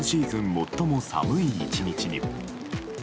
最も寒い１日に。